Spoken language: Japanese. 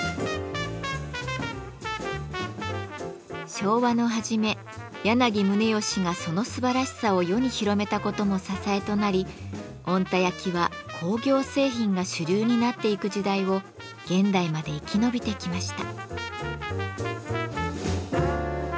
昭和の初め柳宗悦がそのすばらしさを世に広めたことも支えとなり小鹿田焼は工業製品が主流になっていく時代を現代まで生き延びてきました。